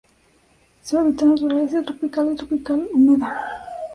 Su hábitat natural es el subtropical y tropical húmedo.